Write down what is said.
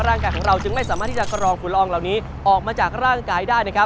ร่างกายของเราจึงไม่สามารถที่จะกรองฝุ่นละอองเหล่านี้ออกมาจากร่างกายได้นะครับ